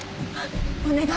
お願い！